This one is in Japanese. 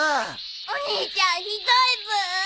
お兄ちゃんひどいブー！